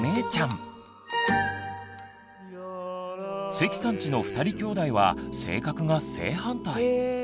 関さんちの２人きょうだいは性格が正反対！